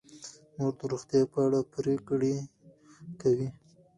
مور د روغتیا په اړه پریکړې کوي.